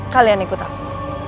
kalian ikut aku